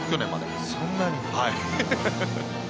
そんなに。